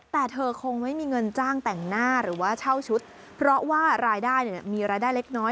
แต่เธอคงไม่มีเงินจ้างแต่งหน้าหรือว่าเช่าชุดเพราะว่ารายได้มีรายได้เล็กน้อย